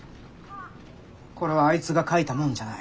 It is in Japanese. これはあいつが書いたもんじゃない。